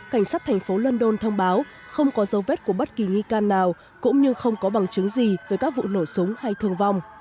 cảnh sát thành phố london thông báo không có dấu vết của bất kỳ nghi can nào cũng như không có bằng chứng gì về các vụ nổ súng hay thương vong